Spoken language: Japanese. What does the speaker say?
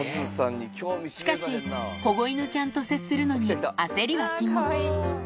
しかし、保護犬ちゃんと接するのに焦りは禁物。